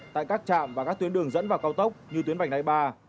tại các trạm và các tuyến đường dẫn vào cao tốc như tuyến bạch đại ba